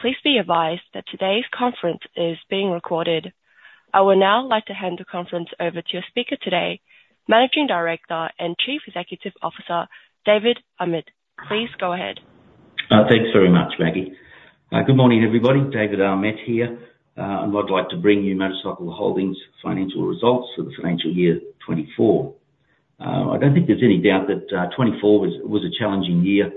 Please be advised that today's conference is being recorded. I would now like to hand the conference over to your speaker today, Managing Director and Chief Executive Officer, David Ahmet. Please go ahead. Thanks very much, Maggie. Good morning, everybody. David Ahmet here, and I'd like to bring you MotorCycle Holdings financial results for the financial year 2024. I don't think there's any doubt that 2024 was a challenging year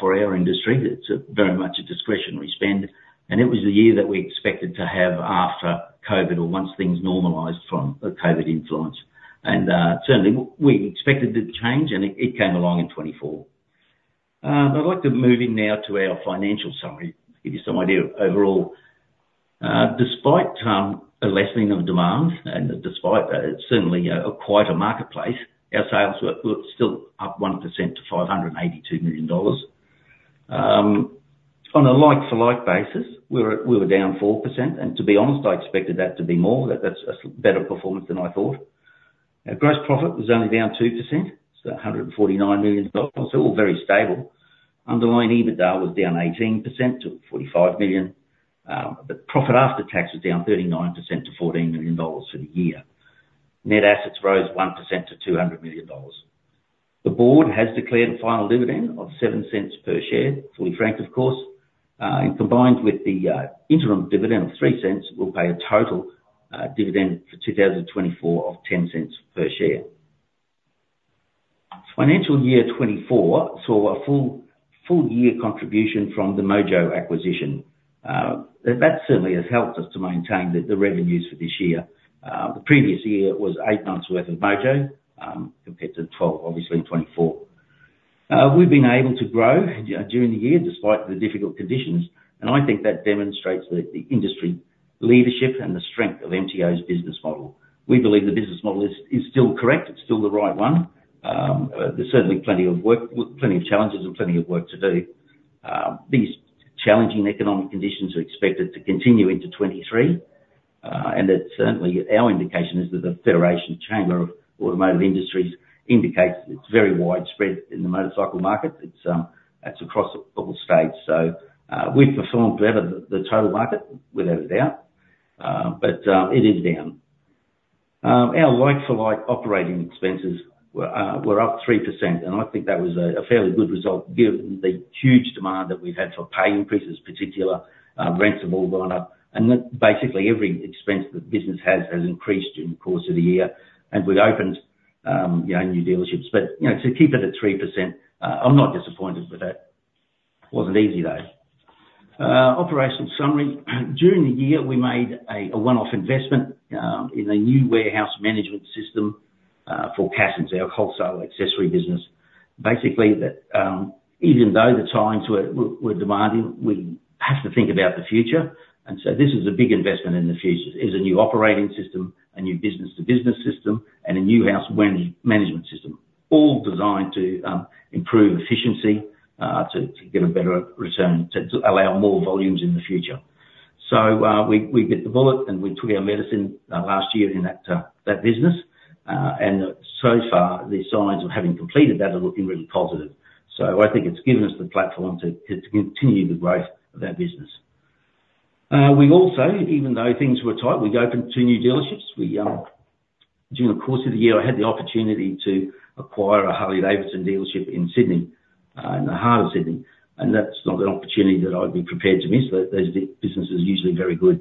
for our industry. It's very much a discretionary spend, and it was the year that we expected to have after COVID or once things normalized from the COVID influence. And certainly we expected the change, and it came along in 2024. I'd like to move in now to our financial summary, to give you some idea of overall. Despite a lessening of demand and despite certainly quite a marketplace, our sales were still up 1% to 582 million dollars. On a like-for-like basis, we were down 4%, and to be honest, I expected that to be more. That's a better performance than I thought. Our gross profit was only down 2%, so 149 million dollars. So all very stable. Underlying EBITDA was down 18% to 45 million, but profit after tax was down 39% to 14 million dollars for the year. Net assets rose 1% to 200 million dollars. The board has declared a final dividend of 0.07 per share, fully franked, of course. And combined with the interim dividend of 0.03, we'll pay a total dividend for 2024 of 0.10 per share. Financial year 2024 saw a full year contribution from the Mojo acquisition. That certainly has helped us to maintain the revenues for this year. The previous year was eight months' worth of Mojo compared to 12, obviously 24. We've been able to grow, you know, during the year, despite the difficult conditions, and I think that demonstrates the industry leadership and the strength of MTO's business model. We believe the business model is still correct. It's still the right one. There's certainly plenty of challenges and plenty of work to do. These challenging economic conditions are expected to continue into 2023, and it's certainly our indication is that the Federation Chamber of Automotive Industries indicates that it's very widespread in the motorcycle market. It's across all states. So, we've performed better than the total market, without a doubt, but it is down. Our like-for-like operating expenses were up 3%, and I think that was a fairly good result given the huge demand that we've had for pay increases, particularly rents have all gone up, and then basically every expense the business has increased during the course of the year, and we've opened, you know, new dealerships. But, you know, to keep it at 3%, I'm not disappointed with that. It wasn't easy, though. Operational summary. During the year, we made a one-off investment in a new warehouse management system for Cassons, our wholesale accessory business. Basically, that, even though the times were demanding, we have to think about the future. And so this is a big investment in the future. It's a new operating system, a new business-to-business system, and a new warehouse management system, all designed to improve efficiency, to get a better return, to allow more volumes in the future. So we bit the bullet, and we took our medicine last year in that business, and so far, the signs of having completed that are looking really positive. So I think it's given us the platform to continue the growth of our business. We also, even though things were tight, we opened two new dealerships. During the course of the year, I had the opportunity to acquire a Harley-Davidson dealership in Sydney, in the heart of Sydney, and that's not an opportunity that I'd be prepared to miss. Those businesses are usually very good.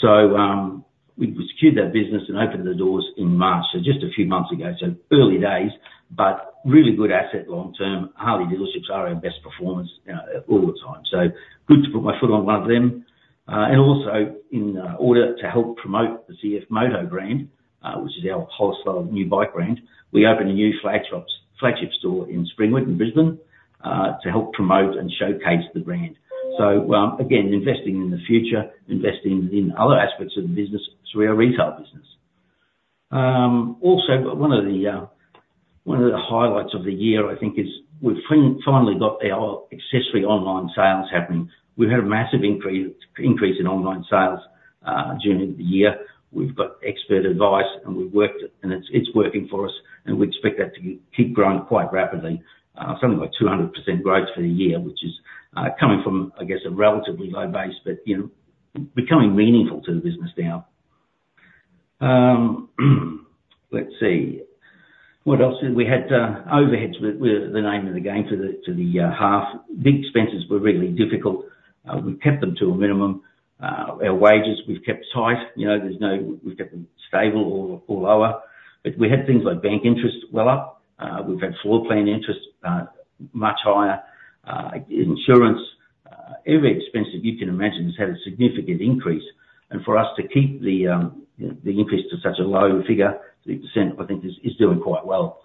So, we secured that business and opened the doors in March, so just a few months ago, so early days, but really good asset long term. Harley dealerships are our best performers, all the time. So good to put my foot on one of them. And also in order to help promote the CFMOTO brand, which is our wholesale new bike brand, we opened a new flagship store in Springwood, in Brisbane, to help promote and showcase the brand. So, again, investing in the future, investing in other aspects of the business through our retail business. Also, one of the highlights of the year, I think, is we've finally got our accessory online sales happening. We've had a massive increase in online sales during the year. We've got expert advice, and we've worked, and it's working for us, and we expect that to keep growing quite rapidly. Something like 200% growth for the year, which is coming from, I guess, a relatively low base, but, you know, becoming meaningful to the business now. Let's see, what else? We had overheads were the name of the game to the half. Big expenses were really difficult. We kept them to a minimum. Our wages, we've kept tight. You know, we've kept them stable or lower. But we had things like bank interest well up. We've had floor plan interest much higher. Insurance, every expense that you can imagine has had a significant increase. For us to keep the interest to such a low figure, 3%, I think is doing quite well.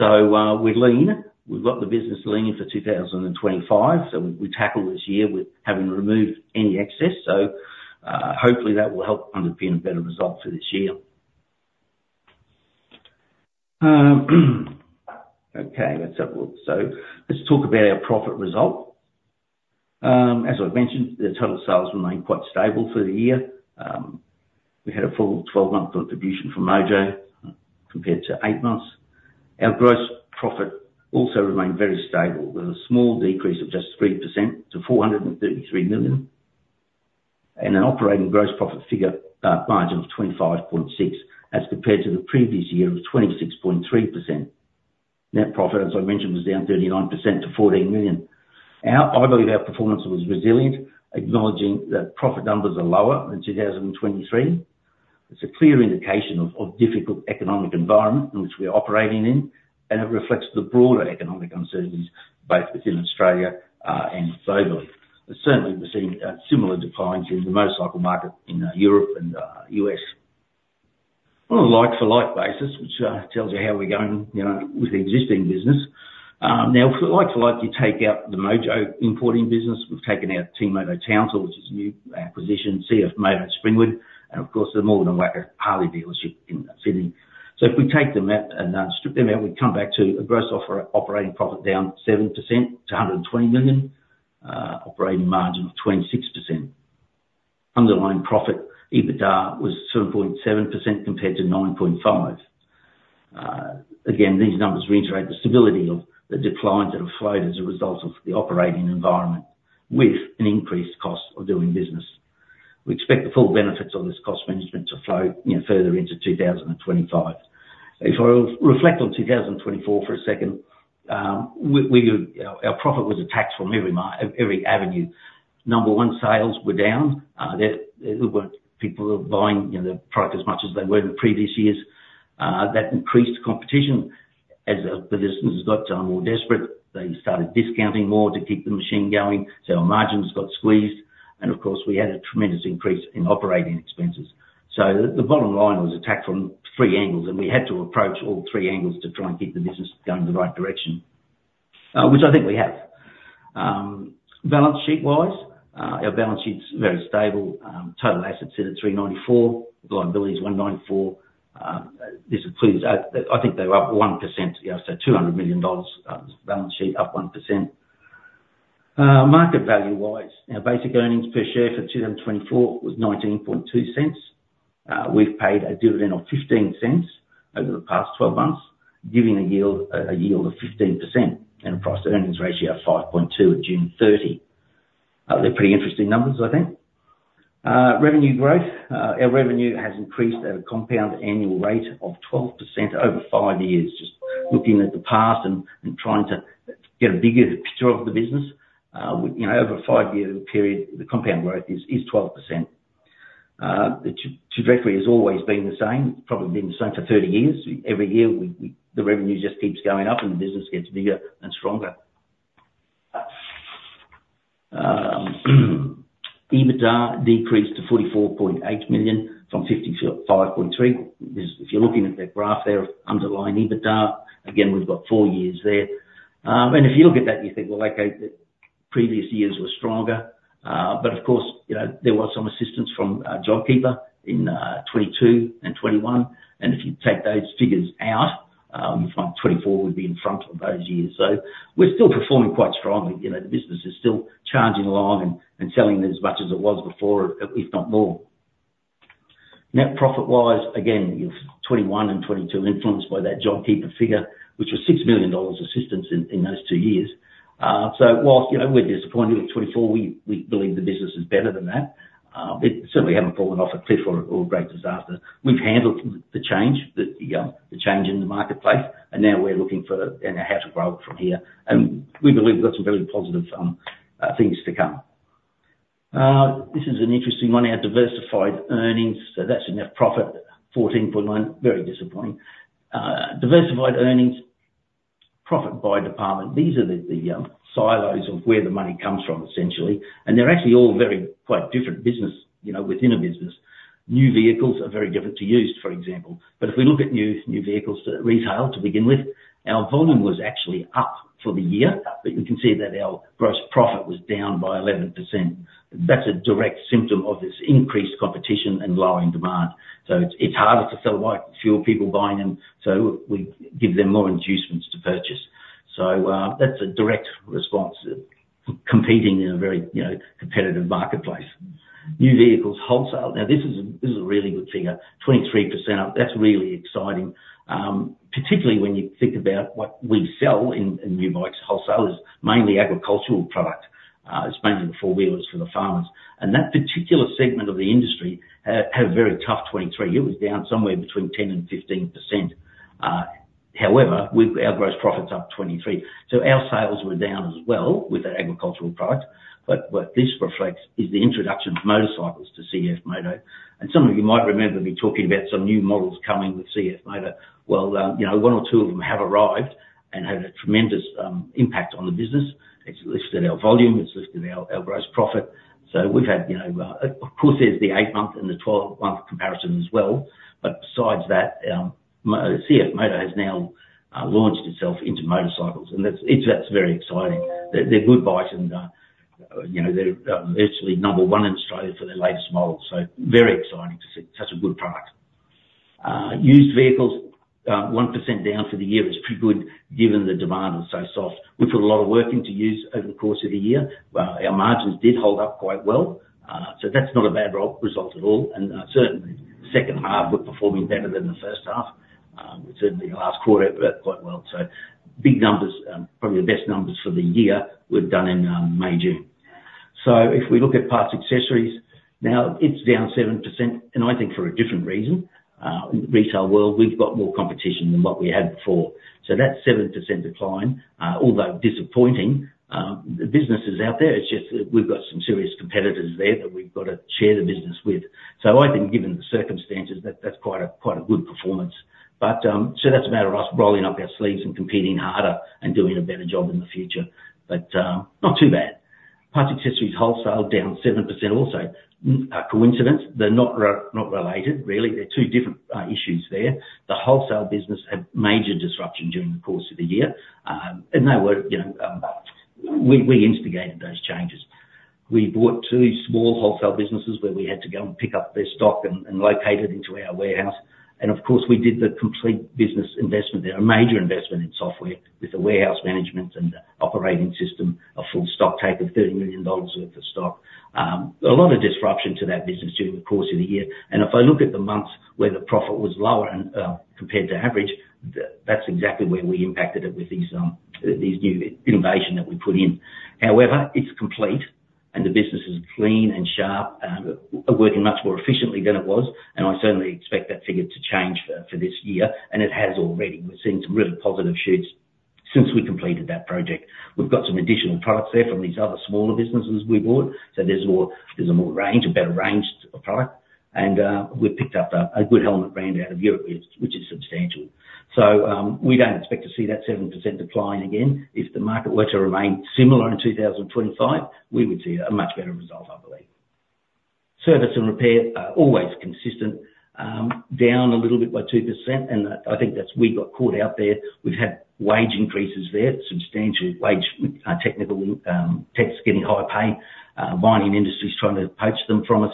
We're lean. We've got the business lean for 2025. We tackled this year with having removed any excess, so hopefully, that will help underpin a better result for this year. Okay, let's have a look. Let's talk about our profit result. As I've mentioned, the total sales remained quite stable for the year. We had a full 12-month contribution from Mojo, compared to 8 months. Our gross profit also remained very stable, with a small decrease of just 3% to 433 million, and an operating gross profit figure margin of 25.6%, as compared to the previous year of 26.3%. Net profit, as I mentioned, was down 39% to 14 million. I believe our performance was resilient, acknowledging that profit numbers are lower than 2023. It's a clear indication of difficult economic environment in which we're operating in, and it reflects the broader economic uncertainties both within Australia and globally. But certainly, we're seeing similar declines in the motorcycle market in Europe and U.S. On a like-for-like basis, which tells you how we're going, you know, with the existing business. Now, for like-for-like, you take out the Mojo importing business. We've taken out TeamMoto Townsville, which is a new acquisition, CFMOTO Springwood, and of course, the Morgan & Wacker Harley dealership in Sydney. So if we take them out and strip them out, we come back to a gross operating profit down 7% to 120 million, operating margin of 26%. Underlying profit, EBITDA was 2.7% compared to 9.5%. Again, these numbers reiterate the stability of the declines that have flowed as a result of the operating environment, with an increased cost of doing business. We expect the full benefits of this cost management to flow, you know, further into 2025. If I reflect on 2024 for a second, we were, our profit was attacked from every avenue. Number one, sales were down. There weren't people who were buying, you know, the product as much as they were in previous years. That increased competition. As the businesses got more desperate, they started discounting more to keep the machine going, so our margins got squeezed, and of course, we had a tremendous increase in operating expenses. So the bottom line was attacked from three angles, and we had to approach all three angles to try and get the business going in the right direction, which I think we have. Balance sheet-wise, our balance sheet's very stable. Total assets sit at 394, liabilities 194. This includes, I think they're up 1%, yeah, so 200 million dollars, balance sheet up 1%. Market value-wise, our basic earnings per share for 2024 was 0.192. We've paid a dividend of 0.15 over the past twelve months, giving a yield of 15% and a price-to-earnings ratio of 5.2 at June 30. They're pretty interesting numbers, I think. Revenue growth. Our revenue has increased at a compound annual rate of 12% over five years. Just looking at the past and trying to get a bigger picture of the business, you know, over a five-year period, the compound growth is 12%. The trajectory has always been the same, probably been the same for thirty years. Every year, the revenue just keeps going up and the business gets bigger and stronger. EBITDA decreased to 44.8 million from 55.3 million. If you're looking at that graph there, underlying EBITDA, again, we've got four years there. And if you look at that, you think, well, okay, the previous years were stronger, but of course, you know, there was some assistance from JobKeeper in 2022 and 2021. And if you take those figures out, you find 2024 would be in front of those years. So we're still performing quite strongly. You know, the business is still charging along and selling as much as it was before, if not more. Net profit-wise, again, you've 2021 and 2022, influenced by that JobKeeper figure, which was 6 million dollars assistance in those two years. So whilst, you know, we're disappointed with 2024, we believe the business is better than that. It certainly haven't fallen off a cliff or a great disaster. We've handled the change that, you know, the change in the marketplace, and now we're looking for, you know, how to grow it from here. We believe we've got some very positive things to come. This is an interesting one, our diversified earnings. So that's a net profit 14.9, very disappointing. Diversified earnings, profit by department. These are the silos of where the money comes from, essentially, and they're actually all very quite different business, you know, within a business. New vehicles are very different to used, for example. But if we look at new vehicles to retail to begin with, our volume was actually up for the year, but you can see that our gross profit was down by 11%. That's a direct symptom of this increased competition and lowering demand. So it's harder to sell bikes, fewer people buying them, so we give them more inducements to purchase. So that's a direct response to competing in a very, you know, competitive marketplace. New vehicles wholesale. Now, this is a really good figure, 23%. That's really exciting, particularly when you think about what we sell in new bikes wholesale, is mainly agricultural product. It's mainly the four-wheelers for the farmers. And that particular segment of the industry had a very tough 2023. It was down somewhere between 10% and 15%. However, with our gross profits up 23%. So our sales were down as well with that agricultural product, but what this reflects is the introduction of motorcycles to CFMOTO. And some of you might remember me talking about some new models coming with CFMOTO. You know, one or two of them have arrived and had a tremendous impact on the business. It's lifted our volume, it's lifted our gross profit. So we've had, you know, of course, there's the eight-month and the 12-month comparison as well. But besides that, CFMOTO has now launched itself into motorcycles, and that's very exciting. They're good bikes and, you know, they're virtually number one in Australia for their latest model, so very exciting to see such a good product. Used vehicles, 1% down for the year is pretty good, given the demand was so soft. We put a lot of work into used over the course of the year. Our margins did hold up quite well, so that's not a bad result at all. Certainly second half, we're performing better than the first half. Certainly the last quarter did quite well. So big numbers, probably the best numbers for the year we've done in May, June. So if we look at parts, accessories, now, it's down 7%, and I think for a different reason. In the retail world, we've got more competition than what we had before. So that 7% decline, although disappointing, the business is out there, it's just that we've got some serious competitors there that we've got to share the business with. So I think given the circumstances, that's quite a good performance. So that's a matter of us rolling up our sleeves and competing harder and doing a better job in the future. Not too bad. Parts, accessories, wholesale, down 7% also. No coincidence, they're not related, really. They're two different issues there. The wholesale business had major disruption during the course of the year, and they were, you know, we instigated those changes. We bought two small wholesale businesses where we had to go and pick up their stock and locate it into our warehouse. And of course, we did the complete business investment there, a major investment in software with the warehouse management and operating system, a full stock take of 30 million dollars worth of stock. A lot of disruption to that business during the course of the year, and if I look at the months where the profit was lower and compared to average, that's exactly where we impacted it with these new innovation that we put in. However, it's complete, and the business is clean and sharp, and working much more efficiently than it was, and I certainly expect that figure to change for this year, and it has already. We've seen some really positive shifts since we completed that project. We've got some additional products there from these other smaller businesses we bought, so there's more, a better range of product, and we've picked up a good helmet brand out of Europe, which is substantial. So, we don't expect to see that 7% decline again. If the market were to remain similar in 2025, we would see a much better result, I believe. Service and repair are always consistent, down a little bit by 2%, and I think that's we got caught out there. We've had wage increases there, substantial wage technical techs getting higher pay, mining industries trying to poach them from us.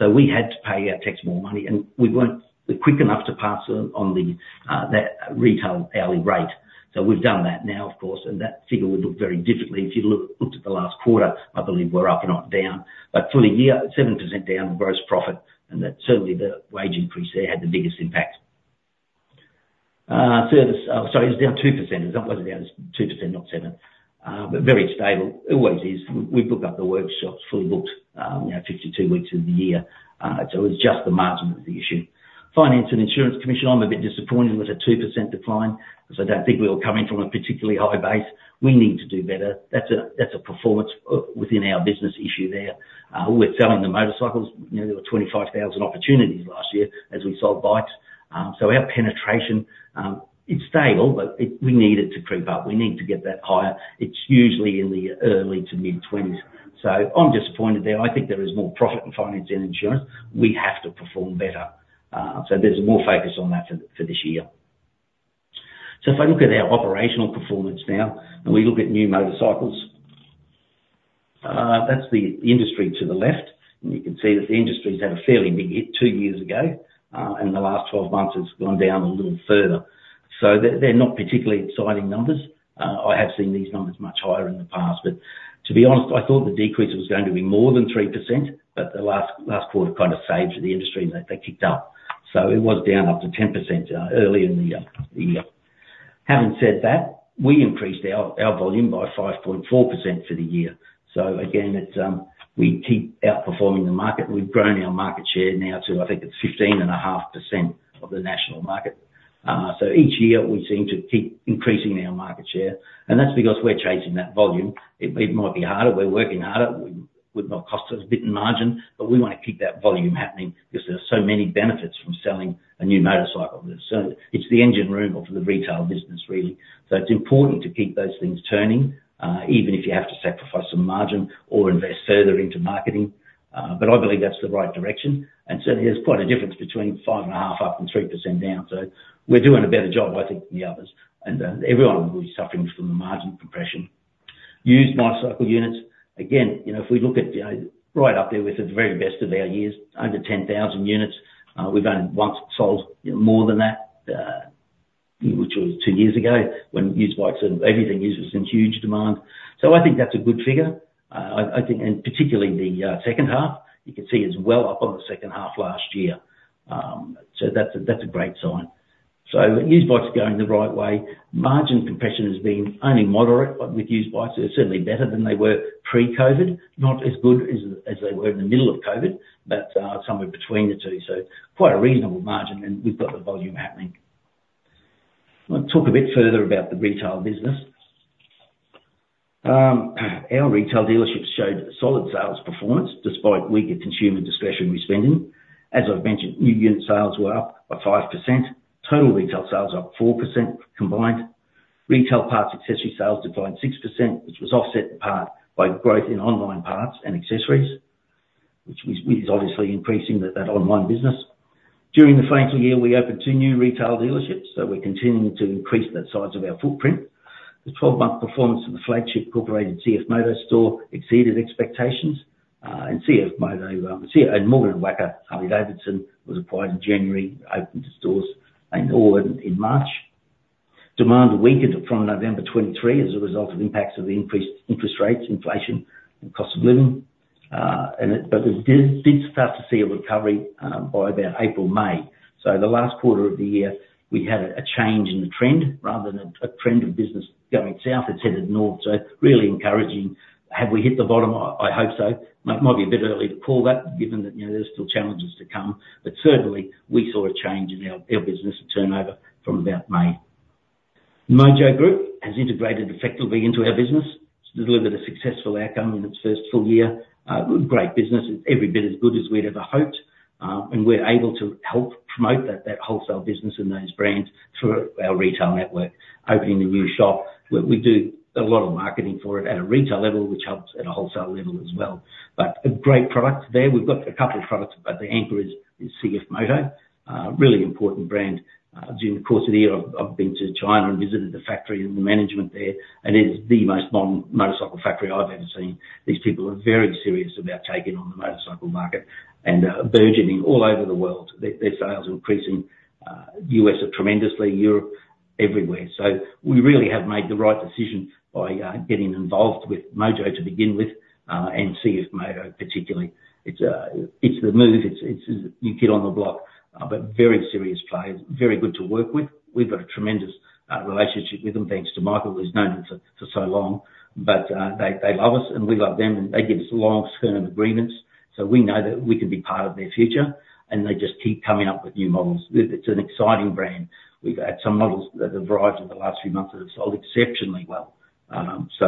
So we had to pay our techs more money, and we weren't quick enough to pass on that retail hourly rate. So we've done that now, of course, and that figure would look very differently. If you look at the last quarter, I believe we're up and not down. But for the year, 7% down gross profit, and that's certainly the wage increase there had the biggest impact. Service, oh, sorry, it's down 2%. It's not seven down, it's 2%, not seven, but very stable. It always is. We've booked up the workshops fully booked, you know, 52 weeks of the year. So it's just the margin of the issue. Finance and insurance commission. I'm a bit disappointed with a 2% decline, so I don't think we were coming from a particularly high base. We need to do better. That's a performance within our business issue there. We're selling the motorcycles. You know, there were 25,000 opportunities last year as we sold bikes. So our penetration, it's stable, but we need it to creep up. We need to get that higher. It's usually in the early to mid-twenties, so I'm disappointed there. I think there is more profit in finance and insurance. We have to perform better. So there's more focus on that for this year. If I look at our operational performance now, and we look at new motorcycles, that's the industry to the left, and you can see that the industry's had a fairly big hit 2 years ago, and in the last 12 months, it's gone down a little further. They're not particularly exciting numbers. I have seen these numbers much higher in the past, but to be honest, I thought the decrease was going to be more than 3%, but the last quarter kind of saved the industry, and they kicked up. It was down up to 10% early in the year. Having said that, we increased our volume by 5.4% for the year. Again, it's we keep outperforming the market. We've grown our market share now to, I think it's 15.5% of the national market. So each year, we seem to keep increasing our market share, and that's because we're chasing that volume. It might be harder. We're working harder. It would not cost us a bit in margin, but we want to keep that volume happening because there are so many benefits from selling a new motorcycle. So it's the engine room of the retail business, really. So it's important to keep those things turning, even if you have to sacrifice some margin or invest further into marketing. But I believe that's the right direction, and certainly, there's quite a difference between 5.5% up and 3% down. So we're doing a better job, I think, than the others, and everyone will be suffering from the margin compression. Used motorcycle units, again, you know, if we look at, you know, right up there with the very best of our years, under 10,000 units, we've only once sold more than that, which was two years ago, when used bikes and everything used was in huge demand. So I think that's a good figure. I think, and particularly the second half, you can see it's well up on the second half last year. So that's a great sign. So used bikes are going the right way. Margin compression has been only moderate, but with used bikes, they're certainly better than they were pre-COVID. Not as good as they were in the middle of COVID, but somewhere between the two, so quite a reasonable margin, and we've got the volume happening. I'll talk a bit further about the retail business. Our retail dealerships showed solid sales performance despite weaker consumer discretionary spending. As I've mentioned, new unit sales were up by 5%, total retail sales up 4% combined. Retail parts, accessory sales declined 6%, which was offset in part by growth in online parts and accessories, which is obviously increasing that online business. During the financial year, we opened two new retail dealerships, so we're continuing to increase the size of our footprint. The twelve-month performance of the flagship in Springwood CFMOTO store exceeded expectations. And CFMOTO and Morgan & Wacker, Harley-Davidson, was acquired in January, opened its doors in March. Demand weakened from November 2023 as a result of impacts of the increased interest rates, inflation, and cost of living. But it did start to see a recovery by about April, May. So the last quarter of the year, we had a change in the trend. Rather than a trend of business going south, it's headed north, so really encouraging. Have we hit the bottom? I hope so. Might be a bit early to call that, given that, you know, there's still challenges to come, but certainly we saw a change in our business and turnover from about May. Mojo Group has integrated effectively into our business, to deliver the successful outcome in its first full year. Great business, and every bit as good as we'd ever hoped, and we're able to help promote that wholesale business and those brands through our retail network. Opening a new shop, we do a lot of marketing for it at a retail level, which helps at a wholesale level as well. But a great product there. We've got a couple of products, but the anchor is CFMOTO, really important brand. During the course of the year, I've been to China and visited the factory and the management there, and it is the most modern motorcycle factory I've ever seen. These people are very serious about taking on the motorcycle market, and burgeoning all over the world. Their sales are increasing U.S. tremendously, Europe, everywhere. So we really have made the right decision by getting involved with Mojo to begin with, and CFMOTO, particularly. It's the move, it's the new kid on the block, but very serious players. Very good to work with. We've got a tremendous relationship with them, thanks to Michael, who's known them for so long. But they love us, and we love them, and they give us long term agreements, so we know that we can be part of their future, and they just keep coming up with new models. It's an exciting brand. We've had some models that have arrived in the last few months that have sold exceptionally well. So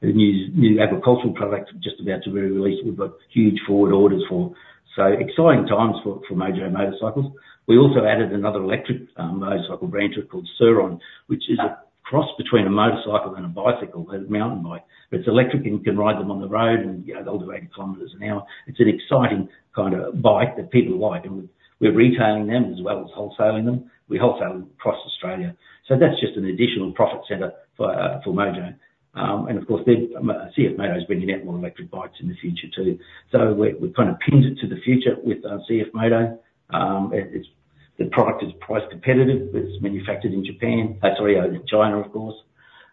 the new agricultural products are just about to be released. We've got huge forward orders for. So exciting times for Mojo Motorcycles. We also added another electric motorcycle brand called Surron, which is a cross between a motorcycle and a bicycle, and a mountain bike. But it's electric, and you can ride them on the road, and, you know, they'll do 80 kilometers an hour. It's an exciting kind of bike that people like, and we're retailing them as well as wholesaling them. We wholesale them across Australia. So that's just an additional profit center for Mojo. And of course, CFMOTO is bringing out more electric bikes in the future, too. So we're kind of pinned it to the future with CFMOTO. It's the product is price competitive. It's manufactured in Japan, sorry, in China, of course.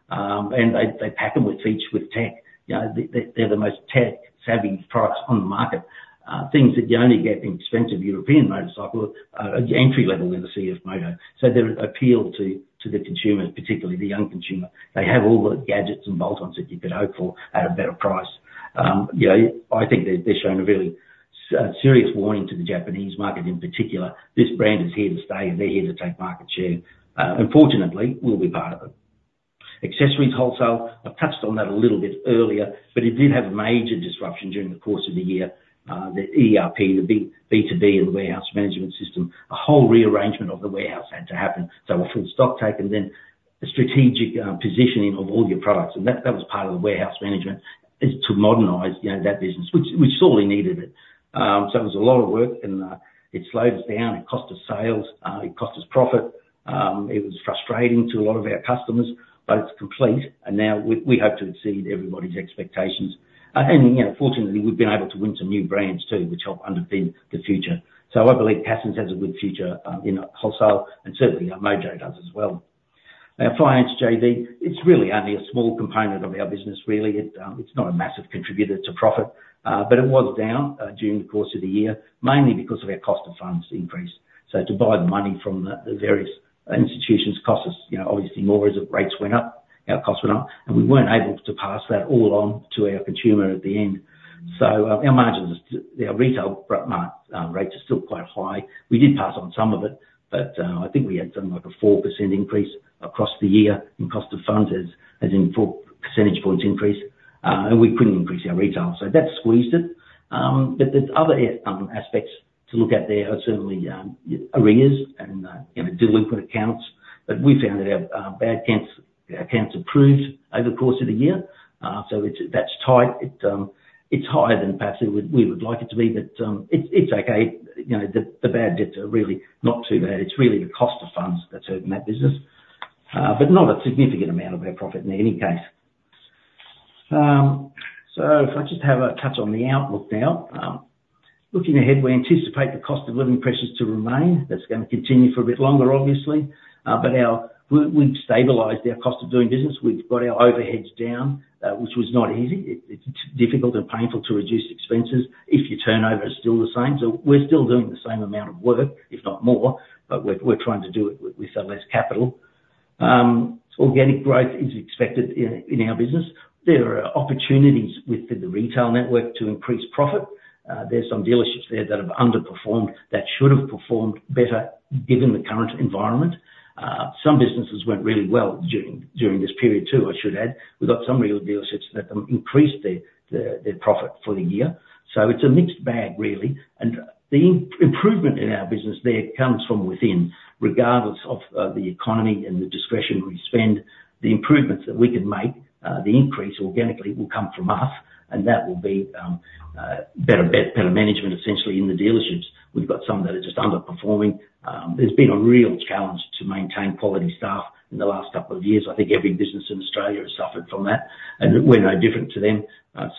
And they pack them with feature, with tech. You know, they, they're the most tech-savvy products on the market. Things that you only get in expensive European motorcycles are at the entry level in the CFMOTO. So they appeal to the consumers, particularly the young consumer. They have all the gadgets and bolt-ons that you could hope for, at a better price. You know, I think they're showing a really serious warning to the Japanese market in particular. This brand is here to stay, and they're here to take market share. And fortunately, we'll be part of it. Accessories wholesale, I've touched on that a little bit earlier, but it did have a major disruption during the course of the year. The ERP, the B2B, and the warehouse management system, a whole rearrangement of the warehouse had to happen. So a full stocktake, and then a strategic positioning of all your products. And that was part of the warehouse management is to modernize, you know, that business, which sorely needed it. So it was a lot of work, and it slowed us down. It cost us sales, it cost us profit, it was frustrating to a lot of our customers, but it's complete, and now we hope to exceed everybody's expectations. And, you know, fortunately, we've been able to win some new brands, too, which help underpin the future. So I believe Cassons has a good future in wholesale, and certainly Mojo does as well. Our finance JV, it's really only a small component of our business, really. It, it's not a massive contributor to profit, but it was down during the course of the year, mainly because of our cost of funds increase. So to borrow the money from the various institutions cost us, you know, obviously, more as the rates went up, our costs went up, and we weren't able to pass that all on to our consumer at the end. So our margins, our retail rates are still quite high. We did pass on some of it, but I think we had something like a 4% increase across the year in cost of funds, as in four percentage points increase, and we couldn't increase our retail. So that squeezed it. But there's other aspects to look at there, are certainly arrears and, you know, delinquent accounts. But we found that our bad accounts, our accounts improved over the course of the year. So it's, that's tight. It's higher than perhaps we would like it to be, but it's okay. You know, the bad debts are really not too bad. It's really the cost of funds that's hurting that business, but not a significant amount of our profit in any case, so if I just have a touch on the outlook now. Looking ahead, we anticipate the cost of living pressures to remain. That's gonna continue for a bit longer, obviously, but we've stabilized our cost of doing business. We've got our overheads down, which was not easy. It's difficult and painful to reduce expenses if your turnover is still the same, so we're still doing the same amount of work, if not more, but we're trying to do it with less capital. Organic growth is expected in our business. There are opportunities within the retail network to increase profit. There's some dealerships there that have underperformed, that should have performed better given the current environment. Some businesses went really well during this period, too, I should add. We've got some real dealerships that increased their profit for the year. So it's a mixed bag, really, and the improvement in our business there comes from within, regardless of the economy and the discretionary spend. The improvements that we can make, the increase organically will come from us, and that will be better management, essentially, in the dealerships. We've got some that are just underperforming. There's been a real challenge to maintain quality staff in the last couple of years. I think every business in Australia has suffered from that, and we're no different to them.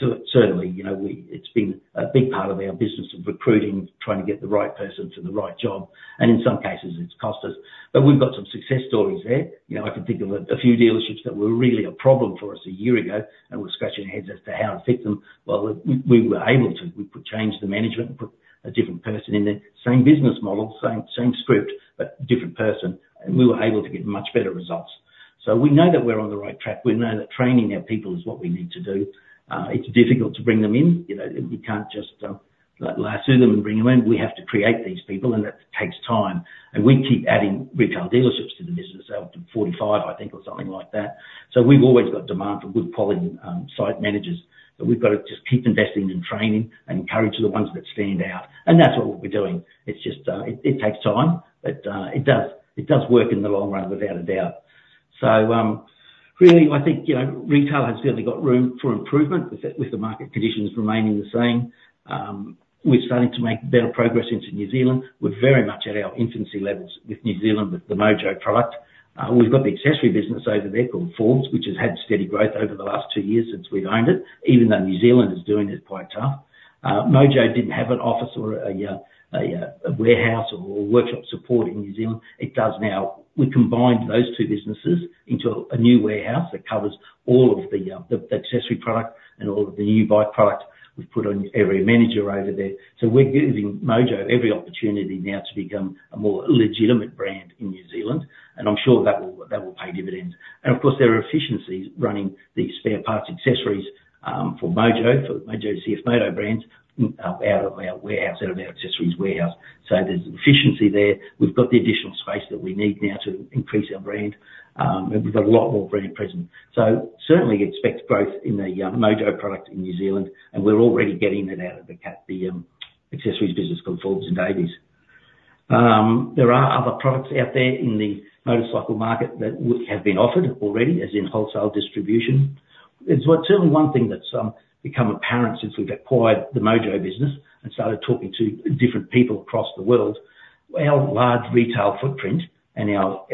So certainly, you know, it's been a big part of our business of recruiting, trying to get the right person to the right job, and in some cases, it's cost us, but we've got some success stories there. You know, I can think of a few dealerships that were really a problem for us a year ago, and we're scratching our heads as to how to fix them. Well, we were able to. We could change the management and put a different person in there. Same business model, same script, but different person, and we were able to get much better results. So we know that we're on the right track. We know that training our people is what we need to do. It's difficult to bring them in. You know, we can't just lasso them and bring them in. We have to create these people, and that takes time, and we keep adding retail dealerships to the business, up to 45, I think, or something like that. So we've always got demand for good quality site managers, but we've got to just keep investing in training and encourage the ones that stand out, and that's what we'll be doing. It's just it takes time, but it does work in the long run, without a doubt. So really, I think, you know, retail has certainly got room for improvement, with the market conditions remaining the same. We're starting to make better progress into New Zealand. We're very much at our infancy levels with New Zealand, with the Mojo product. We've got the accessory business over there called Forbes, which has had steady growth over the last two years since we've owned it, even though New Zealand is doing it quite tough. Mojo didn't have an office or a warehouse or workshop support in New Zealand. It does now. We combined those two businesses into a new warehouse that covers all of the accessory product and all of the new bike product. We've put an area manager over there. So we're giving Mojo every opportunity now to become a more legitimate brand in New Zealand, and I'm sure that will pay dividends. And of course, there are efficiencies running the spare parts, accessories, for Mojo, for Mojo CFMOTO brands out of our warehouse, out of our accessories warehouse. So there's efficiency there. We've got the additional space that we need now to increase our brand, and we've got a lot more brand presence. So certainly expect growth in the Mojo product in New Zealand, and we're already getting that out of the accessories business called Forbes & Davies. There are other products out there in the motorcycle market that have been offered already, as in wholesale distribution. It's certainly one thing that's become apparent since we've acquired the Mojo business and started talking to different people across the world. Our large retail footprint and our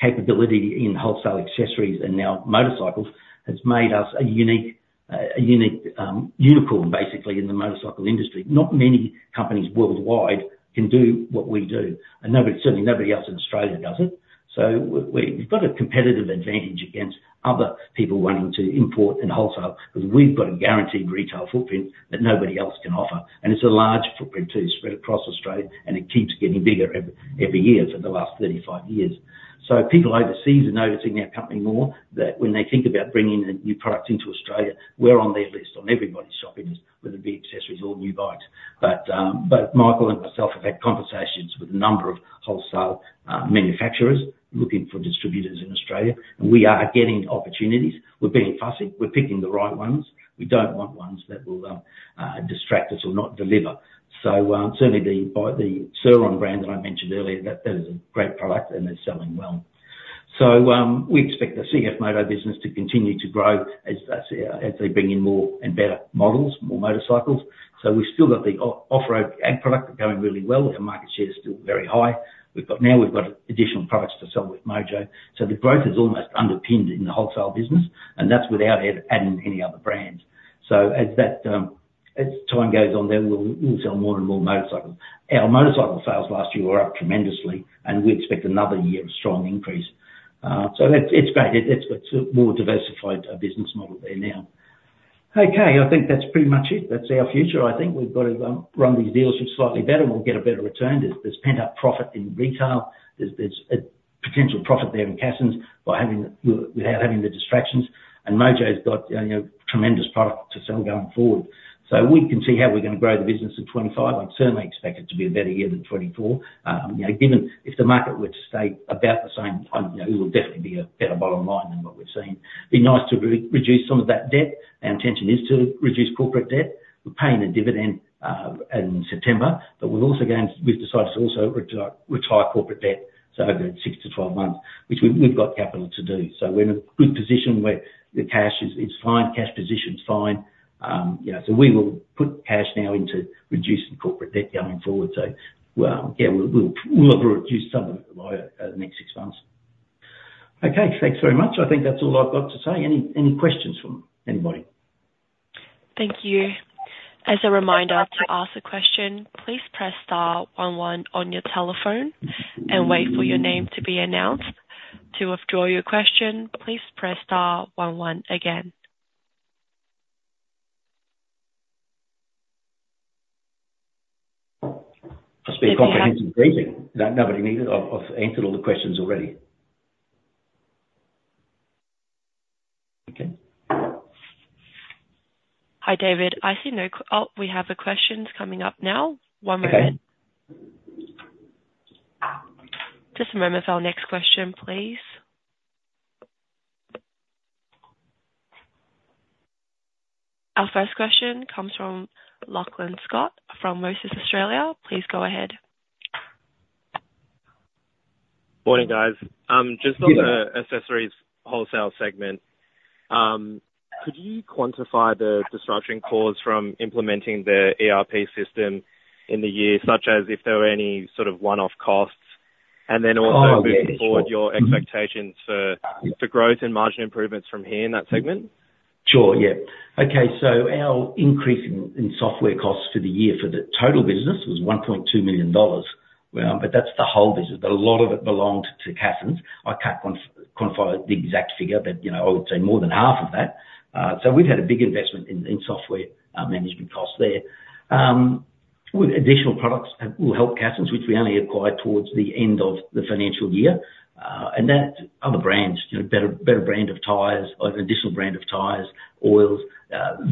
capability in wholesale accessories, and now motorcycles, has made us a unique unicorn, basically, in the motorcycle industry. Not many companies worldwide can do what we do, and nobody, certainly nobody else in Australia does it. So we've got a competitive advantage against other people wanting to import and wholesale, because we've got a guaranteed retail footprint that nobody else can offer, and it's a large footprint, too, spread across Australia, and it keeps getting bigger every year for the last 35 years. So people overseas are noticing our company more, that when they think about bringing a new product into Australia, we're on their list, on everybody's shopping list, whether it be accessories or new bikes. But both Michael and myself have had conversations with a number of wholesale manufacturers looking for distributors in Australia, and we are getting opportunities. We're being fussy. We're picking the right ones. We don't want ones that will distract us or not deliver. So, certainly the Surron brand that I mentioned earlier, that is a great product, and they're selling well. So, we expect the CFMOTO business to continue to grow as they bring in more and better models, more motorcycles. So we've still got the off-road ag product going really well. Our market share is still very high. We've got. Now we've got additional products to sell with Mojo. So the growth is almost underpinned in the wholesale business, and that's without adding any other brands. So as that, as time goes on, then we'll sell more and more motorcycles. Our motorcycle sales last year were up tremendously, and we expect another year of strong increase. So it's great. It's a more diversified business model there now. Okay, I think that's pretty much it. That's our future. I think we've got to run these dealerships slightly better, and we'll get a better return. There's pent-up profit in retail. There's a potential profit there in Cassons by having the, without having the distractions, and Mojo's got you know tremendous product to sell going forward, so we can see how we're gonna grow the business in 2025. I'd certainly expect it to be a better year than 2024. You know given if the market were to stay about the same you know it will definitely be a better bottom line than what we've seen. Be nice to reduce some of that debt. Our intention is to reduce corporate debt. We're paying a dividend in September, but we're also going to. We've decided to also retire corporate debt, so over six to 12 months, which we've got capital to do. So we're in a good position where the cash is, it's fine, cash position's fine. You know, so we will put cash now into reducing corporate debt going forward. So, yeah, we'll have reduced some of it by the next six months. Okay, thanks very much. I think that's all I've got to say. Any questions from anybody? Thank you. As a reminder, to ask a question, please press star one one on your telephone and wait for your name to be announced. To withdraw your question, please press star one one again. It's been a comprehensive briefing. No, nobody needed? I've answered all the questions already. Okay. Hi, David. I see no questions. Oh, we have the questions coming up now. One moment. Okay. Just a moment for our next question, please. Our first question comes from Lachlan Scott, from Moelis Australia. Please go ahead. Morning, guys. Just on the accessories wholesale segment, could you quantify the disruption caused from implementing the ERP system in the year, such as if there were any sort of one-off costs? And then also move forward your expectations for growth and margin improvements from here in that segment. Sure. Yeah. Okay, so our increase in, in software costs for the year for the total business was 1.2 million dollars, but that's the whole business. A lot of it belonged to Cassons. I can't quantify the exact figure, but, you know, I would say more than half of that. So we've had a big investment in, in software, management costs there. With additional products, will help Cassons, which we only acquired towards the end of the financial year, and that other brands, you know, better, better brand of tires or additional brand of tires, oils,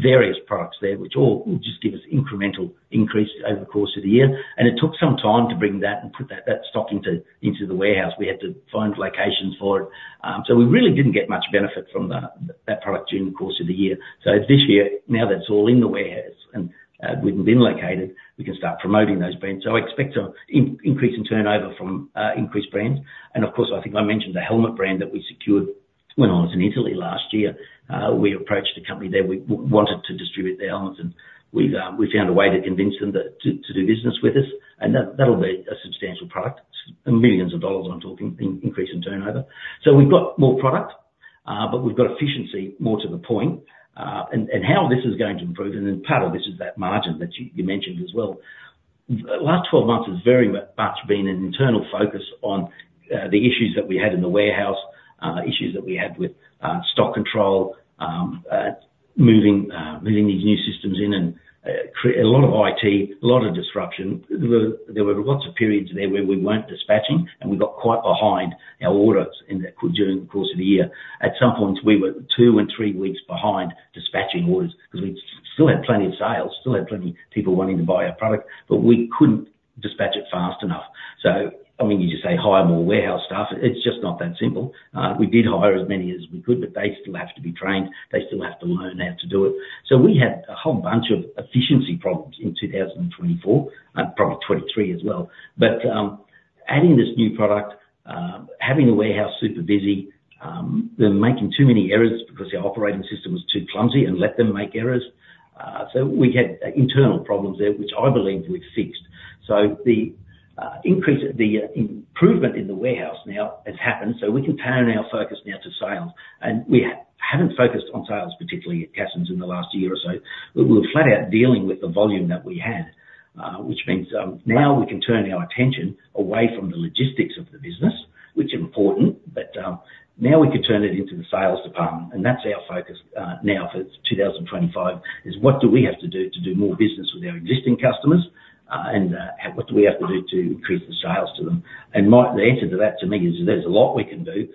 various products there, which all will just give us incremental increase over the course of the year. And it took some time to bring that and put that, that stock into, into the warehouse. We had to find locations for it. So we really didn't get much benefit from that product during the course of the year. So this year, now that it's all in the warehouse and we've been located, we can start promoting those brands. So I expect an increase in turnover from increased brands. And of course, I think I mentioned the helmet brand that we secured when I was in Italy last year. We approached a company there. We wanted to distribute their helmets, and we found a way to convince them to do business with us, and that'll be a substantial product, and millions of dollars when I'm talking an increase in turnover. So we've got more product, but we've got efficiency more to the point, and how this is going to improve, and then part of this is that margin that you mentioned as well. The last twelve months has very much been an internal focus on the issues that we had in the warehouse, issues that we had with stock control, moving these new systems in and a lot of IT, a lot of disruption. There were lots of periods there where we weren't dispatching, and we got quite behind our orders in that, during the course of the year. At some points, we were two and three weeks behind dispatching orders, because we still had plenty of sales, still had plenty of people wanting to buy our product, but we couldn't dispatch it fast enough. So, I mean, you just say, hire more warehouse staff. It's just not that simple. We did hire as many as we could, but they still have to be trained. They still have to learn how to do it. We had a whole bunch of efficiency problems in 2024, and probably 2023 as well. But, adding this new product, having the warehouse super busy, they're making too many errors because the operating system was too clumsy and let them make errors. So we had internal problems there, which I believe we've fixed. So the increase, the improvement in the warehouse now has happened, so we can turn our focus now to sales, and we haven't focused on sales, particularly at Cassons in the last year or so. But we're flat out dealing with the volume that we had, which means, now we can turn our attention away from the logistics of the business, which is important, but, now we can turn it into the sales department, and that's our focus, now for 2025, is what do we have to do to do more business with our existing customers? And, what do we have to do to increase the sales to them? And the answer to that, to me, is there's a lot we can do.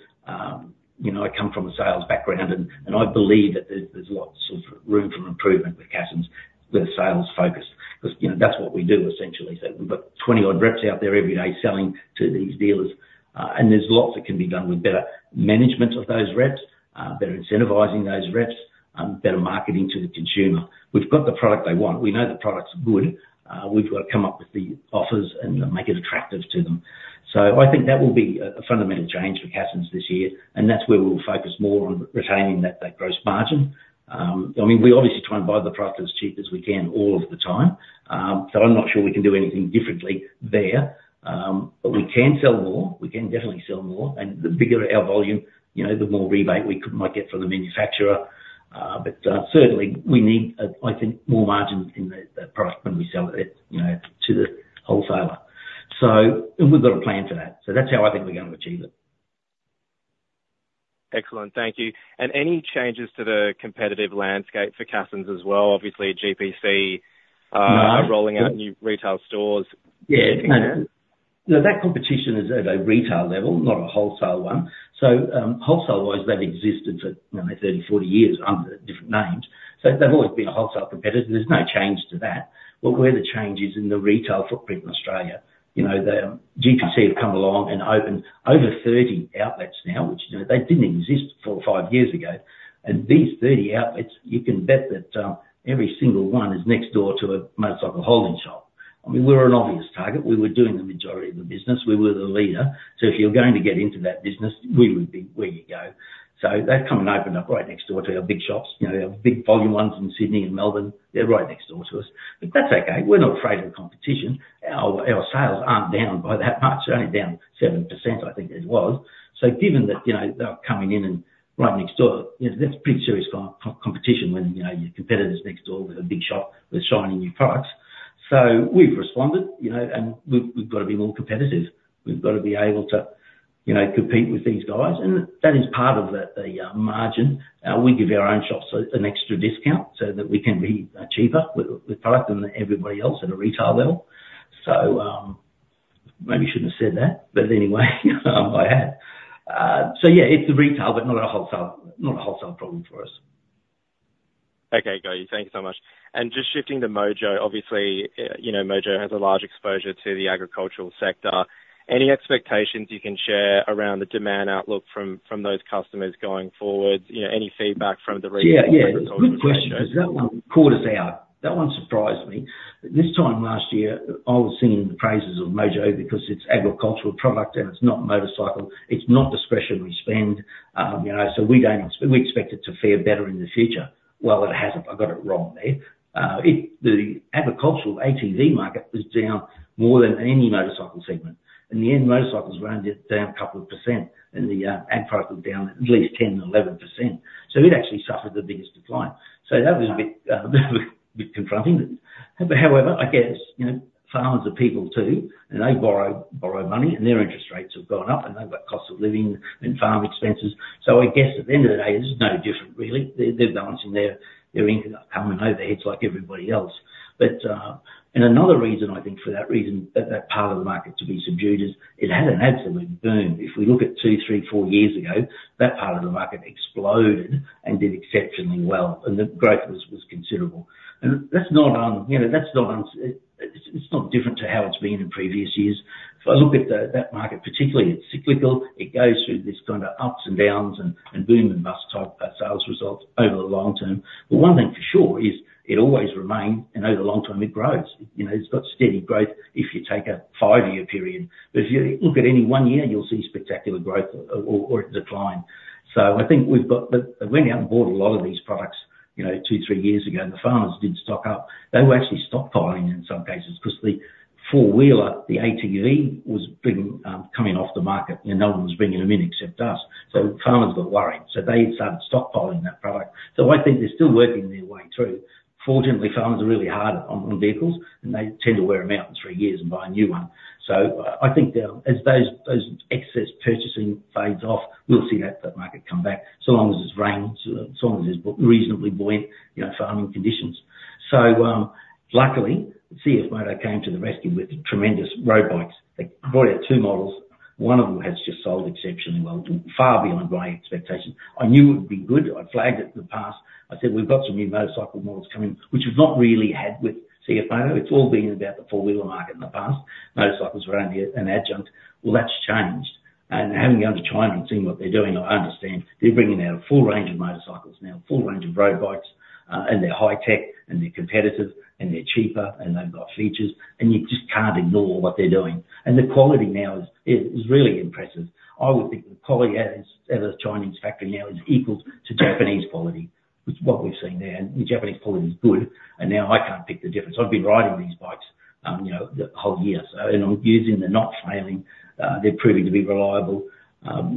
You know, I come from a sales background, and I believe that there's lots of room for improvement with Cassons, with sales focus, because, you know, that's what we do essentially. So we've got 20-odd reps out there every day selling to these dealers, and there's lots that can be done with better management of those reps, better incentivizing those reps, better marketing to the consumer. We've got the product they want. We know the product's good. We've got to come up with the offers and make it attractive to them. So I think that will be a fundamental change for Cassons this year, and that's where we'll focus more on retaining that gross margin. I mean, we obviously try and buy the product as cheap as we can all of the time. So I'm not sure we can do anything differently there, but we can sell more. We can definitely sell more, and the bigger our volume, you know, the more rebate we might get from the manufacturer. But certainly we need, I think, more margins in the product when we sell it, you know, to the wholesaler. So, and we've got a plan for that. So that's how I think we're going to achieve it. Excellent. Thank you. And any changes to the competitive landscape for Cassons as well? Obviously, GPC rolling out new retail stores. Yeah. No, no, that competition is at a retail level, not a wholesale one. So, wholesale-wise, they've existed for, you know, 30, 40 years under different names. So they've always been a wholesale competitor, there's no change to that. Look, where the change is in the retail footprint in Australia, you know, the GPC have come along and opened over 30 outlets now, which, you know, they didn't exist four or five years ago, and these 30 outlets, you can bet that every single one is next door to a MotorCycle Holdings shop. I mean, we're an obvious target. We were doing the majority of the business. We were the leader. So if you're going to get into that business, we would be where you go. So they've come and opened up right next door to our big shops, you know, our big volume ones in Sydney and Melbourne. They're right next door to us. But that's okay. We're not afraid of the competition. Our sales aren't down by that much. They're only down 7%, I think it was. So given that, you know, they're coming in and right next door, you know, that's pretty serious competition when, you know, your competitor's next door with a big shop with shiny new products. So we've responded, you know, and we've got to be more competitive. We've got to be able to, you know, compete with these guys, and that is part of the margin. We give our own shops an extra discount, so that we can be cheaper with product than everybody else at a retail level. So, maybe I shouldn't have said that, but anyway, I have. So yeah, it's a retail, but not a wholesale, not a wholesale problem for us. Okay, got you. Thank you so much. And just shifting to Mojo, obviously, you know, Mojo has a large exposure to the agricultural sector. Any expectations you can share around the demand outlook from those customers going forward? You know, any feedback from the regional- Yeah, yeah. Good question, because that one caught us out. That one surprised me. This time last year, I was singing the praises of Mojo because it's agricultural product and it's not motorcycle, it's not discretionary spend, you know, so we expect it to fare better in the future. Well, it hasn't. I got it wrong there. It, the agricultural ATV market was down more than any motorcycle segment. In the end, motorcycles were only down a couple of percent and the ag product was down at least 10%-11%. So it actually suffered the biggest decline. So that was a bit confronting. But however, I guess, you know, farmers are people too, and they borrow money, and their interest rates have gone up, and they've got cost of living and farm expenses. So I guess at the end of the day, this is no different really. They're balancing their income and overheads like everybody else. But and another reason, I think, for that reason, that part of the market to be subdued is, it had an absolute boom. If we look at two, three, four years ago, that part of the market exploded and did exceptionally well, and the growth was considerable. And that's not, you know, it's not different to how it's been in previous years. If I look at that market particularly, it's cyclical, it goes through this kind of ups and downs and boom and bust type of sales results over the long term. But one thing for sure is it always remains, and over the long term it grows. You know, it's got steady growth if you take a five-year period. But if you look at any one year, you'll see spectacular growth or decline. So I think we went out and bought a lot of these products, you know, two, three years ago, and the farmers did stock up. They were actually stockpiling in some cases, 'cause the four-wheeler, the ATV, was being coming off the market, and no one was bringing them in except us. So farmers got worried, so they started stockpiling that product. So I think they're still working their way through. Fortunately, farmers are really hard on vehicles, and they tend to wear them out in three years and buy a new one. So I think that as those excess purchasing fades off, we'll see that market come back, so long as there's rain, so long as there's reasonably buoyant, you know, farming conditions. Luckily, CFMOTO came to the rescue with tremendous road bikes. They brought out two models, one of them has just sold exceptionally well, and far beyond my expectation. I knew it would be good. I flagged it in the past. I said, "We've got some new motorcycle models coming," which we've not really had with CFMOTO. It's all been about the four-wheeler market in the past. Motorcycles were only an adjunct. Well, that's changed, and having gone to China and seen what they're doing, I understand. They're bringing out a full range of motorcycles now, full range of road bikes, and they're high tech, and they're competitive, and they're cheaper, and they've got features, and you just can't ignore what they're doing. And the quality now is really impressive. I would think the quality as a Chinese factory now is equal to Japanese quality, which is what we've seen now, and the Japanese quality is good, and now I can't pick the difference. I've been riding these bikes, you know, the whole year, so, and I'm using them, they're not failing, they're proving to be reliable.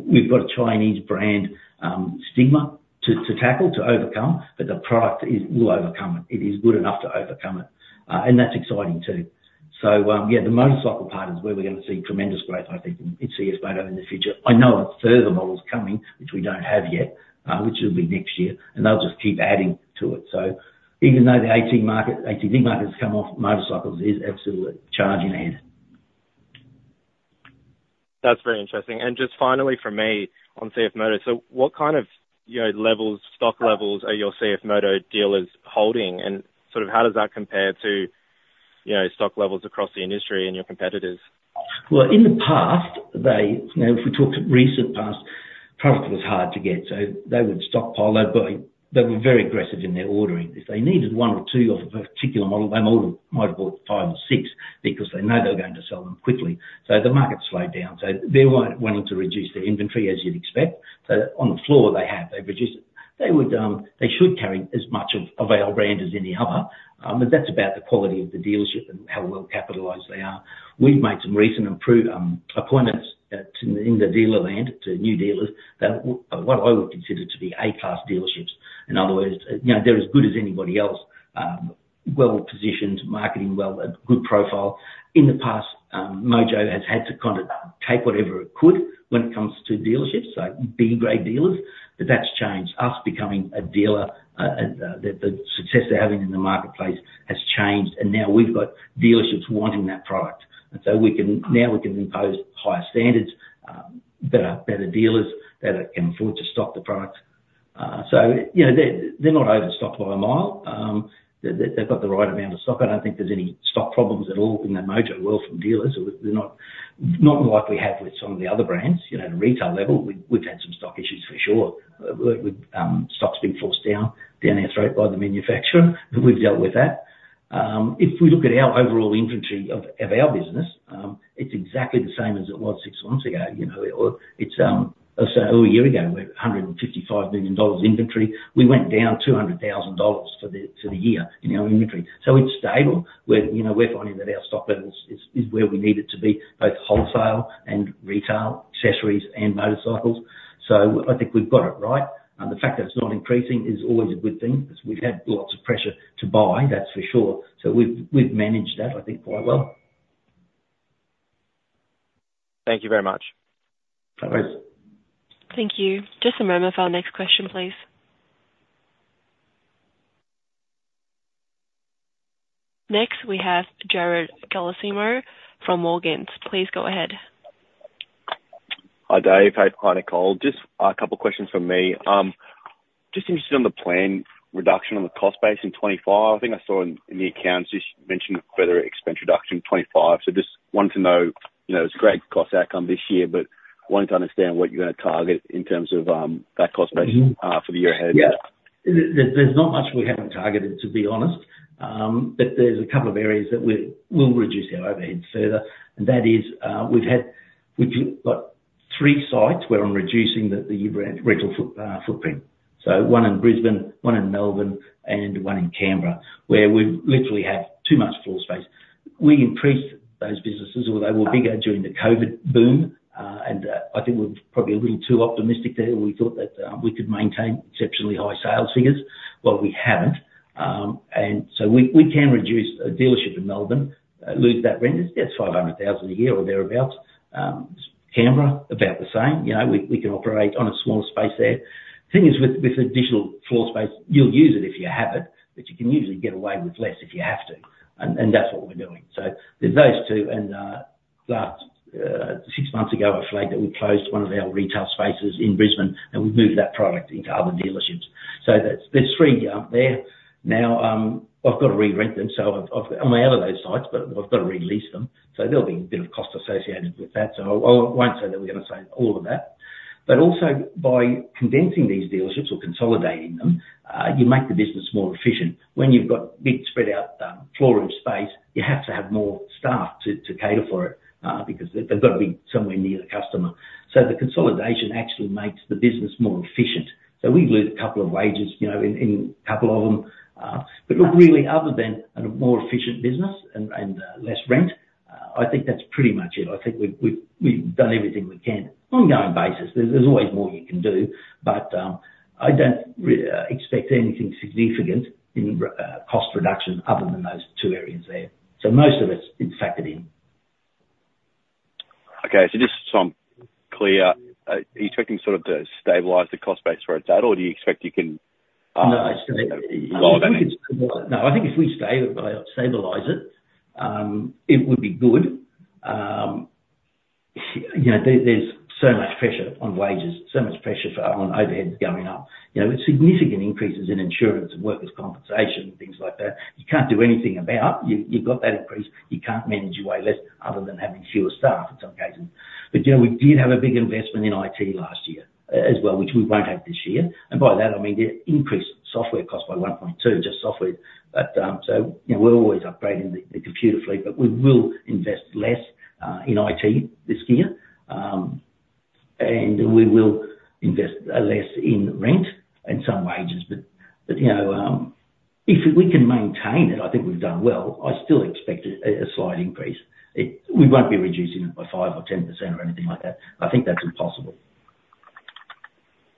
We've got a Chinese brand stigma to tackle, to overcome, but the product will overcome it. It is good enough to overcome it, and that's exciting, too. So, yeah, the motorcycle part is where we're going to see tremendous growth, I think, in CFMOTO in the future. I know there are further models coming, which we don't have yet, which will be next year, and they'll just keep adding to it. So even though the AT market, ATV market has come off, motorcycles is absolutely charging ahead. That's very interesting. And just finally from me on CFMOTO, so what kind of, you know, levels, stock levels are your CFMOTO dealers holding, and sort of how does that compare to, you know, stock levels across the industry and your competitors? Well, in the past, they. You know, if we talked recent past, product was hard to get, so they would stockpile. They've got. They were very aggressive in their ordering. If they needed one or two of a particular model, they might have bought five or six because they know they're going to sell them quickly. So the market's slowed down, so they're wanting to reduce their inventory, as you'd expect. So on the floor they have, they've reduced it. They would. They should carry as much of our brand as any other, but that's about the quality of the dealership and how well-capitalized they are. We've made some recent improve appointments to in the dealer land to new dealers that what I would consider to be A-class dealerships. In other words, you know, they're as good as anybody else, well positioned, marketing well, a good profile. In the past, Mojo has had to kind of take whatever it could when it comes to dealerships, so B-grade dealers, but that's changed. Us becoming a dealer, the success they're having in the marketplace has changed, and now we've got dealerships wanting that product. And so we can. Now we can impose higher standards, better, better dealers that can afford to stock the product. So, you know, they're not overstocked by a mile. They've got the right amount of stock. I don't think there's any stock problems at all in the Mojo world from dealers. They're not like we have with some of the other brands, you know, at retail level, we've had some stock issues for sure, with stocks being forced down our throat by the manufacturer, but we've dealt with that. If we look at our overall inventory of our business, it's exactly the same as it was six months ago, you know, or it's, let's say, oh, a year ago, we had 155 million dollars inventory. We went down 200,000 dollars for the year in our inventory. So it's stable. We're finding that our stock levels is where we need it to be, both wholesale and retail, accessories and motorcycles. So I think we've got it right. The fact that it's not increasing is always a good thing, because we've had lots of pressure to buy, that's for sure. So we've managed that, I think, quite well. Thank you very much. No worries. Thank you. Just a moment for our next question, please. Next, we have Jarrod Chisholm from Morgans. Please go ahead. Hi, Dave. Hey, hi, Nicole. Just a couple of questions from me. Just interested on the planned reduction on the cost base in 2025. I think I saw in the accounts, you mentioned further expense reduction in 2025. So just wanted to know, you know, it's a great cost outcome this year, but wanted to understand what you're gonna target in terms of, that cost base, for the year ahead. Yeah. There's not much we haven't targeted, to be honest. But there's a couple of areas that we'll reduce our overheads further, and that is, we've got three sites where I'm reducing the rental footprint. So one in Brisbane, one in Melbourne, and one in Canberra, where we literally have too much floor space. We increased those businesses, or they were bigger during the COVID boom, and I think we're probably a little too optimistic there. We thought that we could maintain exceptionally high sales figures. Well, we haven't, and so we can reduce a dealership in Melbourne, lose that rent. Yeah, it's 500,000 a year or thereabouts. Canberra, about the same. You know, we can operate on a smaller space there. The thing is, with additional floor space, you'll use it if you have it, but you can usually get away with less if you have to, and that's what we're doing, so there's those two, and about six months ago, I flagged that we closed one of our retail spaces in Brisbane, and we've moved that product into other dealerships, so there's three there. Now, I've got to re-rent them, so I'm out of those sites, but I've got to re-lease them, so there'll be a bit of cost associated with that, so I won't say that we're gonna save all of that, but also, by condensing these dealerships or consolidating them, you make the business more efficient. When you've got big, spread out, floor room space, you have to have more staff to cater for it, because they've got to be somewhere near the customer. So the consolidation actually makes the business more efficient. So we've lose a couple of wages, you know, in a couple of them. But look, really, other than a more efficient business and less rent, I think that's pretty much it. I think we've done everything we can. Ongoing basis, there's always more you can do, but I don't expect anything significant in cost reduction other than those two areas there. So most of it's factored in. Okay, so just so I'm clear, are you expecting sort of to stabilize the cost base where it's at, or do you expect you can, No, I still think Lower them? No, I think if we stabilize it, it would be good. You know, there's so much pressure on wages, so much pressure for, on overheads going up. You know, there's significant increases in insurance and workers' compensation, things like that. You can't do anything about, you've got that increase. You can't manage your way less other than having fewer staff in some cases. But, you know, we did have a big investment in IT last year, as well, which we won't have this year. And by that, I mean, the increased software cost by 1.2, just software. But, so, you know, we're always upgrading the computer fleet, but we will invest less in IT this year. And we will invest less in rent and some wages. But, you know, if we can maintain it, I think we've done well. I still expect a slight increase. We won't be reducing it by 5% or 10% or anything like that. I think that's impossible.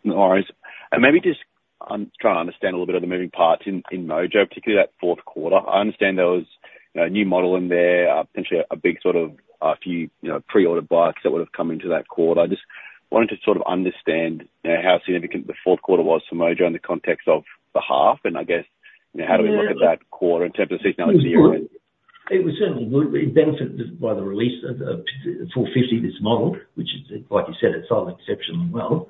No worries. And maybe just I'm trying to understand a little bit of the moving parts in Mojo, particularly that fourth quarter. I understand there was, you know, a new model in there, potentially a big sort of, a few, you know, pre-order bikes that would have come into that quarter. I just wanted to sort of understand, you know, how significant the fourth quarter was to Mojo in the context of the half, and I guess, you know, how do we look at that quarter in terms of seasonality of the year? It was certainly benefited by the release of 450, this model, which is, like you said, it sold exceptionally well.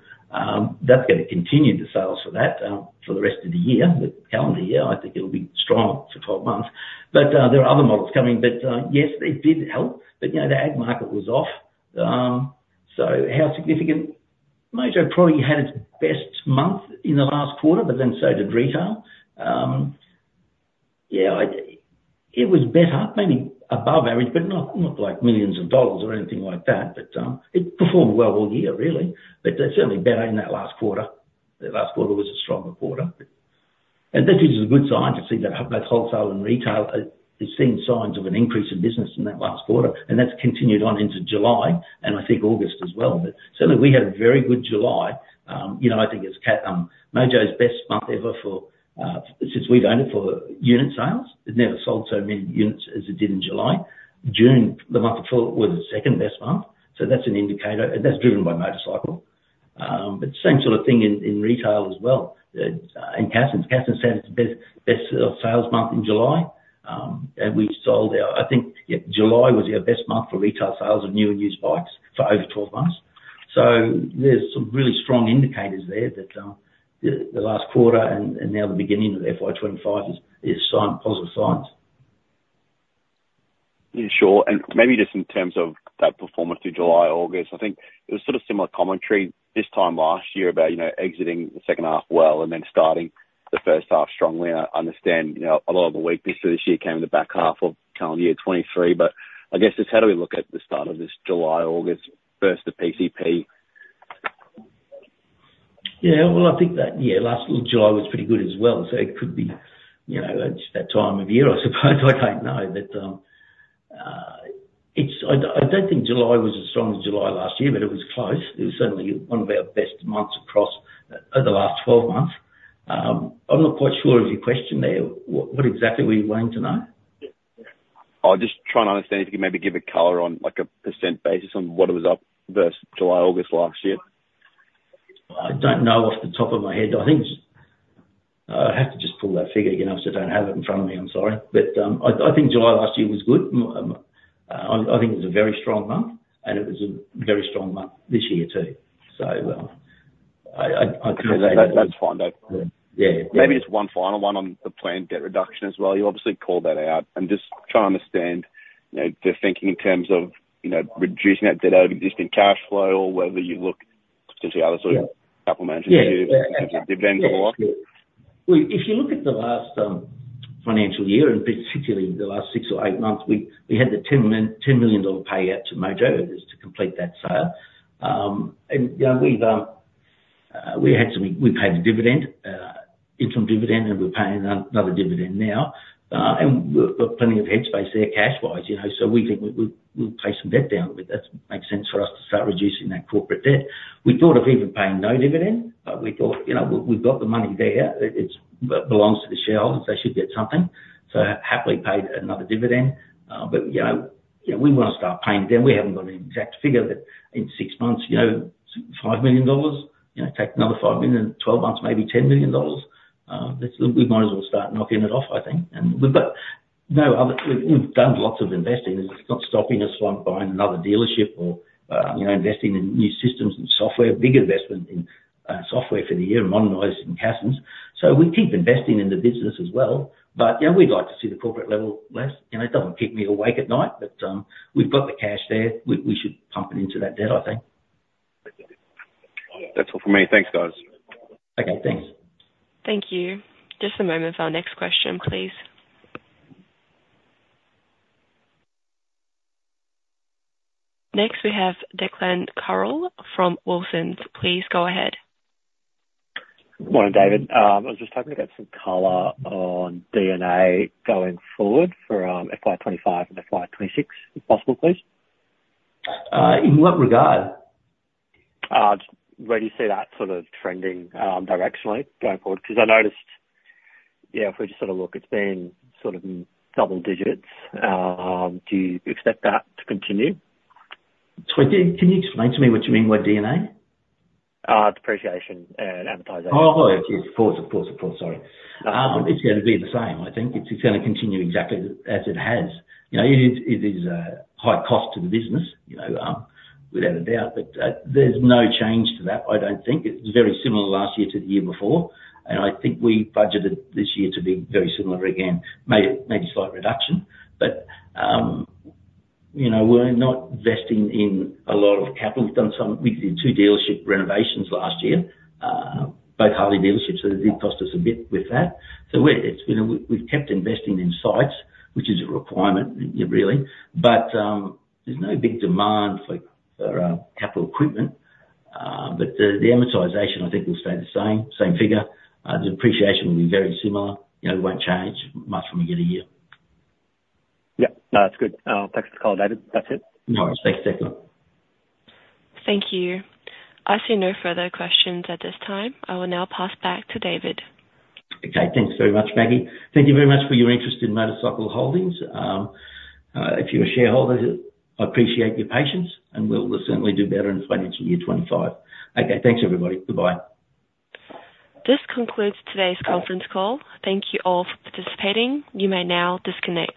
That's gonna continue the sales for that, for the rest of the year, the calendar year. I think it'll be strong for 12 months. But there are other models coming, but yes, it did help, but you know, the ag market was off. So how significant? Mojo probably had its best month in the last quarter, but then so did retail. Yeah, it was better, maybe above average, but not like millions of dollars or anything like that. But it performed well all year, really, but certainly better in that last quarter. The last quarter was a stronger quarter. This is a good sign to see that, that wholesale and retail is seeing signs of an increase in business in that last quarter, and that's continued on into July and I think August as well. But certainly we had a very good July. You know, I think it's Mojo's best month ever for, since we've owned it, for unit sales. It never sold so many units as it did in July. June, the month before, was the second-best month, so that's an indicator, and that's driven by motorcycle. But same sort of thing in retail as well, in Cassons. Cassons said it's the best sales month in July. And we've sold our, I think. Yeah, July was our best month for retail sales of new and used bikes for over twelve months. So there's some really strong indicators there that the last quarter and now the beginning of FY 2025 is positive signs. Yeah, sure. And maybe just in terms of that performance through July, August, I think it was sort of similar commentary this time last year about, you know, exiting the second half well and then starting the first half strongly. I understand, you know, a lot of the weakness for this year came in the back half of calendar year 2023, but I guess just how do we look at the start of this July, August versus the PCP? Yeah, well, I think that, yeah, last little July was pretty good as well, so it could be, you know, it's that time of year, I suppose. I don't know. But, I don't think July was as strong as July last year, but it was close. It was certainly one of our best months across the last twelve months. I'm not quite sure of your question there. What, what exactly were you wanting to know? I'm just trying to understand if you could maybe give a color on, like, a percentage basis on what it was up versus July, August last year? I don't know off the top of my head. I think, I'd have to just pull that figure again. I just don't have it in front of me. I'm sorry. But I think July last year was good. I think it was a very strong month, and it was a very strong month this year, too. So, I That, that's fine. Yeah. Maybe just one final one on the planned debt reduction as well. You obviously called that out. I'm just trying to understand, you know, the thinking in terms of, you know, reducing that debt out of existing cash flow, or whether you look to other sort of supplemental issues Yeah. in terms of the blend of the lot. If you look at the last financial year, and particularly the last six or eight months, we had the 10 million dollar payout to Mojo just to complete that sale. And, you know, we've had to pay the dividend, interim dividend, and we're paying another dividend now. And we've got plenty of head space there cash-wise, you know, so we think we'll pay some debt down. But that makes sense for us to start reducing that corporate debt. We thought of even paying no dividend, but we thought, you know, we've got the money there. It belongs to the shareholders, they should get something. So happily paid another dividend. But, you know, we want to start paying down. We haven't got an exact figure, but in six months, you know, 5 million dollars, you know, take another 5 million, twelve months, maybe 10 million dollars. That's we might as well start knocking it off, I think. We've got no other. We've done lots of investing, and it's not stopping us from buying another dealership or, you know, investing in new systems and software. Big investment in software for the year, modernizing systems. So we keep investing in the business as well. But, you know, we'd like to see the corporate level less. You know, it doesn't keep me awake at night, but we've got the cash there. We should pump it into that debt, I think. That's all for me. Thanks, guys. Okay, thanks. Thank you. Just a moment for our next question, please. Next, we have Declan Carroll from Wilsons. Please go ahead. Morning, David. I was just hoping to get some color on D&A going forward for FY 2025 and FY 2026, if possible, please. In what regard? Just where do you see that sort of trending, directionally going forward? Because I noticed, yeah, if we just sort of look, it's been sort of in double digits. Do you expect that to continue? Sorry, can you explain to me what you mean by D&A? Depreciation and amortization. Oh, yes, of course, of course, of course, sorry. It's gonna be the same, I think. It's gonna continue exactly as it has. You know, it is a high cost to the business, you know, without a doubt, but there's no change to that, I don't think. It's very similar last year to the year before, and I think we budgeted this year to be very similar again. Maybe a slight reduction, but, you know, we're not investing in a lot of capital. We've done some. We did two dealership renovations last year, both Harley dealerships, so it did cost us a bit with that. So we're, it's, you know, we, we've kept investing in sites, which is a requirement, really. But there's no big demand for capital equipment. But the amortization, I think, will stay the same figure. The depreciation will be very similar. You know, it won't change much from year to year. Yep. No, that's good. I'll take the call, David. That's it. No worries. Thanks, Declan. Thank you. I see no further questions at this time. I will now pass back to David. Okay, thanks very much, Maggie. Thank you very much for your interest in MotorCycle Holdings. If you're a shareholder, I appreciate your patience, and we'll certainly do better in financial year 2025. Okay, thanks, everybody. Goodbye. This concludes today's conference call. Thank you all for participating. You may now disconnect.